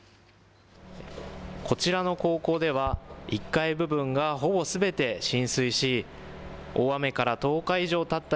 こちらの高校では、１階部分がほぼすべて浸水し、大雨から１０日以上たった